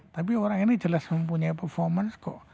tapi orang ini jelas mempunyai performance kok